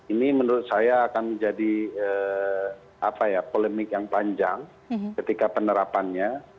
ini menurut saya akan menjadi polemik yang panjang ketika penerapannya